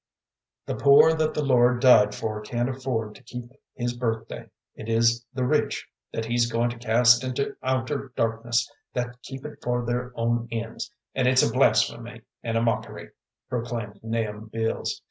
"The poor that the Lord died for can't afford to keep his birthday; it is the rich that he's going to cast into outer darkness, that keep it for their own ends, and it's a blasphemy and a mockery," proclaimed Nahum Beals.